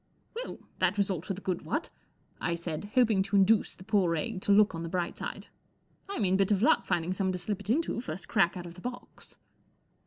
' Well, that was all to the good, what ?" I said, hoping to induce the poor egg to look on the bright side. * 4 I mean bit of luck finding someone to slip it into, first crack out of the box."